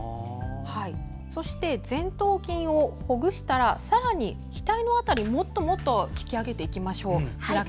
そして前頭筋をほぐしたらさらに、ひたいの辺りもっと引き上げていきましょう。